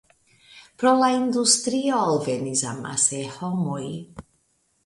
Pro la industrio alvenis amase homoj.